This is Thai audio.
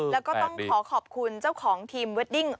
แล้วก็ต้องขอขอบคุณเจ้าของทีมเวดดิ้ง